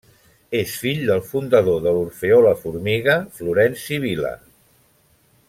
És fill del fundador de l'Orfeó La Formiga Florenci Vila.